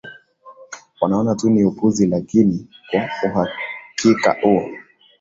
wanaona tu niupuzi lakini kwa uhakika u